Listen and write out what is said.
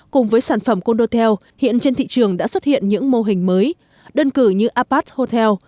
cùng với sản phẩm condotel hiện trên thị trường đã xuất hiện những mô hình mới đơn cử như apat hotel